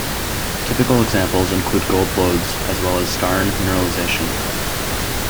Typical examples include gold lodes, as well as skarn mineralisation.